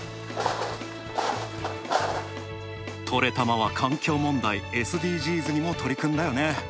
「トレたま」は環境問題、ＳＤＧｓにも取り組んだよね。